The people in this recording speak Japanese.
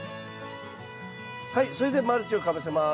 それでマルチをかぶせます。